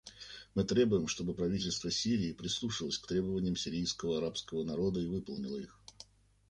Мы требуем, чтобы правительство Сирии прислушалось к требованиям сирийского арабского народа и выполнило их.